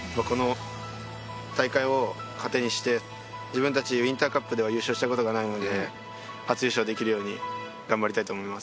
自分たちはウインターカップでは優勝した事がないので初優勝できるように頑張りたいと思います。